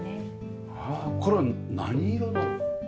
これは何色なの？